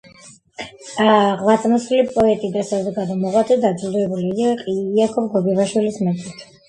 ღვაწლმოსილი პოეტი და საზოგადო მოღვაწე დაჯილდოვებული იყო იაკობ გოგებაშვილის მედლით.